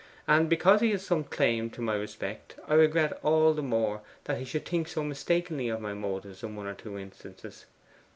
And because he has some claim to my respect I regret all the more that he should think so mistakenly of my motives in one or two instances.